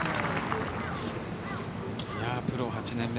プロ８年目。